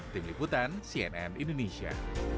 tim liputan cnn indonesia